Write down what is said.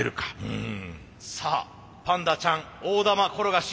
さあパンダちゃん大玉転がし